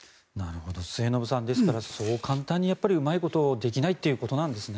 末延さん、ですからそう簡単にうまいことできないってことなんですね。